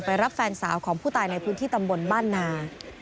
รับแฟนสาวของผู้ตายในพื้นที่ตำบลบ้านนา